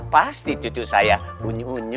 pasti cucu saya bunyi unyu